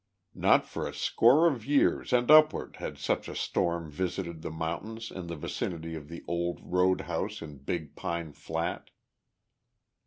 Not for a score of years and upward had such a storm visited the mountains in the vicinity of the old road house in Big Pine Flat.